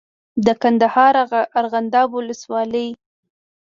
د کندهار د ارغنداب ولسوالۍ